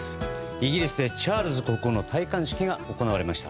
イギリスでチャールズ国王の戴冠式が行われました。